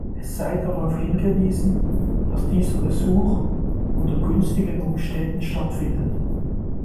Es sei darauf hingewiesen, dass dieser Besuch unter günstigen Umständen stattfindet.